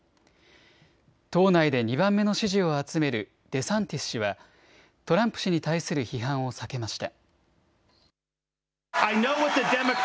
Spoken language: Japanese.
党内で２番目の支持を集めるデサンティス氏はトランプ氏に対する批判を避けました。